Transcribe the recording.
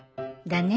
だね。